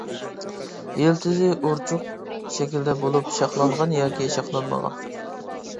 يىلتىزى ئۇرچۇق شەكلىدە بولۇپ، شاخلانغان ياكى شاخلانمىغان.